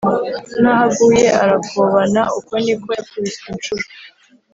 N’aho aguye arakobana uko niko yakubiswe incuro.